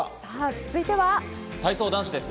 続いては体操男子です。